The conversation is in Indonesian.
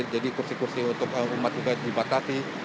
jadi kursi kursi untuk umat juga dibatasi